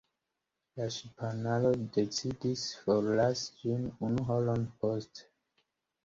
La ŝipanaro decidis forlasi ĝin unu horon poste.